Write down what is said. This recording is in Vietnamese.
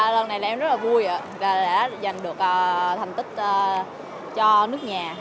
lần này em rất là vui đã giành được thành tích cho nước nhà